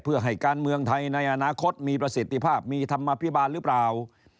เพื่อให้การเมืองไทยในอนาคตมีประสิทธิภาพมีธรรมภิบาลหรือเปล่า